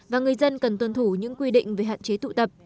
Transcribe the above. và người dân cần tuân thủ những quy định về hạn chế tụ tập